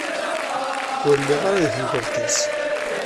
Ur lliɣ ara di temḍelt-is.